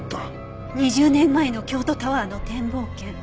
２０年前の京都タワーの展望券。